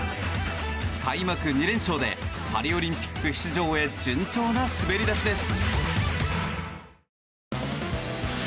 開幕２連勝でパリオリンピック出場へ順調な滑り出しです。